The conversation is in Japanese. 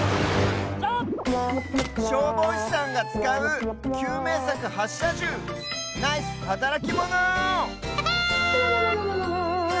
しょうぼうしさんがつかうきゅうめいさくはっしゃじゅうナイスはたらきモノ！